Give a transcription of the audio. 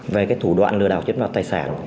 về cái thủ đoạn lừa đảo chiếm đoạt tài sản